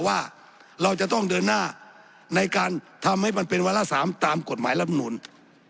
ว่าเราจะต้องเดินหน้าในการทำให้มันเป็นวาระ๓ตามกฎหมายรัฐมนูล